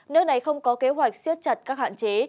nước này không có kế hoạch siết chặt các hạn chế